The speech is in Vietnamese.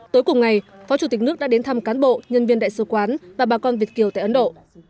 tối cùng ngày phó chủ tịch nước đã đến thăm cán bộ nhân viên đại sứ quán và bà con việt kiều tại ấn độ